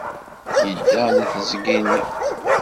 Yedda deg teẓgi-nni.